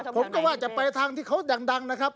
ผมก็ว่าจะไปทางที่เขาดังนะครับ